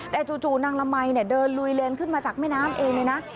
แต่จู่นางละมัยเดินลุยเลนขึ้นมาจากแม่น้ำเองเลยนะ